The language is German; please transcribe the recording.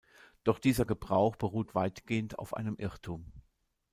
Doch dieser Gebrauch beruht weitgehend auf einem Irrtum.